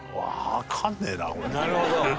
なるほど。